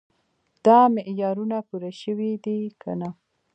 دا معیارونه پوره شوي دي که نه.